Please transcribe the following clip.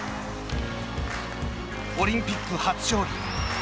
オリンピック初勝利。